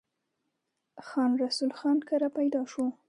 خان رسول خان کره پيدا شو ۔